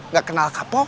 gak kenal kapok